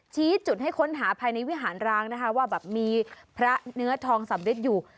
ชี้จุดให้ค้นหาภายในวิหารรางนะคะว่าแบบมีพระเนื้อทองสำริดอยู่